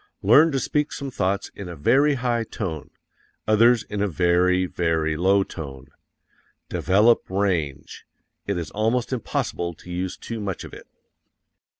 Learn to speak some thoughts in a very high tone others in a very, very low tone. DEVELOP RANGE. It is almost impossible to use too much of it.